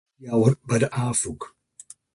Bruinsma is útjouwer by de Afûk.